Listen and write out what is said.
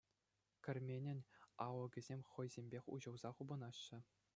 Керменӗн алӑкӗсем хӑйсемех уҫӑлса хупӑнаҫҫӗ.